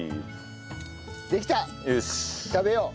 食べよう！